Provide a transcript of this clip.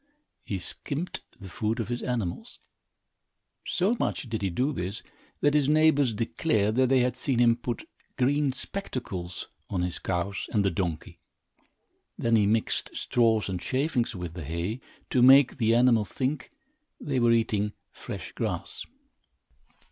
He skimped the food of his animals. So much did he do this, that his neighbors declared that they had seen him put green spectacles on his cows and the donkey. Then he mixed straws and shavings with the hay to make the animals think they were eating fresh grass.